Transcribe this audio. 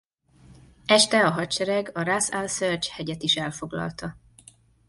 Este a hadsereg a Ras al-Serj hegyet is elfoglalta.